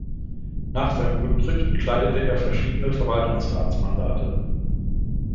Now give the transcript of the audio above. Nach seinem Rücktritt bekleidete er verschiedene Verwaltungsratsmandate.